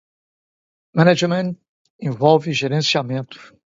Management envolve gerenciamento.